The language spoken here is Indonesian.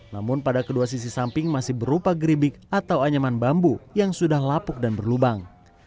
namun pada kedua sisi samping masih berupa geribik atau anyaman bambu yang sudah lapuk dan berlubang